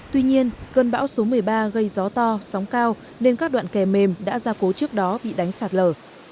tuy nhiên cơn bão số một mươi ba gây gió to sóng cao nên các đoạn kè mềm đã ra cố trước đó bị đánh sạt lở